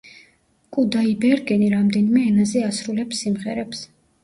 კუდაიბერგენი რამდენიმე ენაზე ასრულებს სიმღერებს.